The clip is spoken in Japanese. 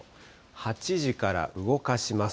８時から動かします。